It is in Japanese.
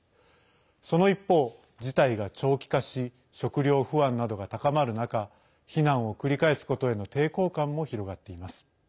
その一方、事態が長期化し食料不安などが高まる中非難を繰り返すことへの抵抗感も広がっています。